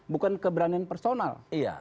bukan keberanian personal